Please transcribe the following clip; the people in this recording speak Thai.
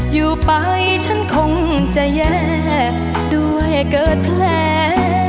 อยู่ไปฉันคงจะแย่ด้วยเกิดแผล